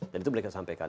dan itu beliau sampaikan